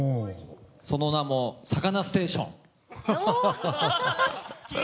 その名も「サカナステーション」。